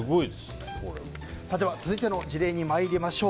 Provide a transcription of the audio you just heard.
続いての事例に参りましょう。